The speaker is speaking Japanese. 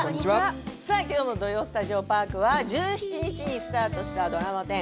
さあ、きょうの「土曜スタジオパーク」は１７日にスタートしたドラマ１０